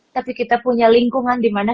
tapi kita punya lingkungan dimana